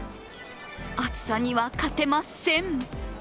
暑さには勝てません。